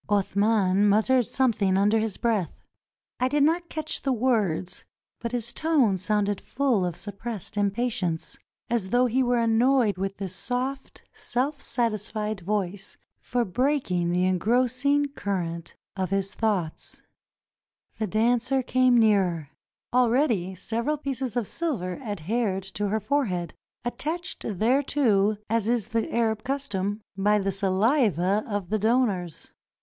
" Athman muttered something under his breath. I did not catch the words, but his tone sounded full of suppressed impatience, as though he were annoyed with this soft, self satisfied voice for breaking, the engrossing current of his thoughts. 367 NORTHERN AFRICA The dancer came nearer. Already several pieces of silver adhered to her forehead — attached thereto, as is the Arab custom, by the saliva of the donors.